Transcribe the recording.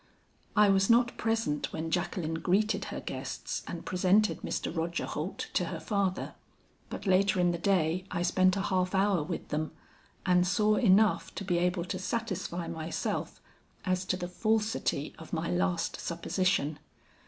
"I was not present when Jacqueline greeted her guests and presented Mr. Roger Holt to her father. But later in the day I spent a half hour with them and saw enough to be able to satisfy myself as to the falsity of my last supposition.